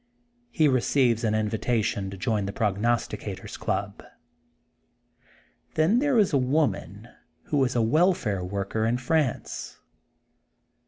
He receives an invitation to join the Prognos ticator's Club. Then there is a woman who was a welfare worker in France.